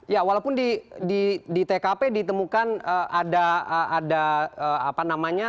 ya walaupun di tkp ditemukan ada apa namanya